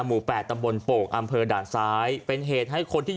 หมู่แปดตำบลโป่งอำเภอด่านซ้ายเป็นเหตุให้คนที่